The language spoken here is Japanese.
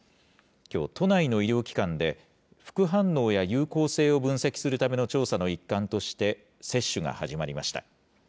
きょう、都内の医療機関で、副反応や有効性を分析するための調査の一環として、接種が始まりました。